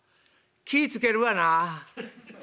気ぃ付けるわな」。